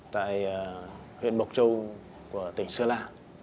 tại huyện bộc châu của tỉnh sơn la